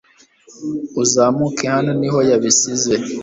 Uzamuke hano niho yabisize